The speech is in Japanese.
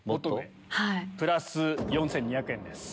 プラス４２００円です。